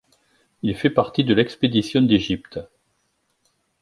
Il fait partie de l'Expédition d'Égypte.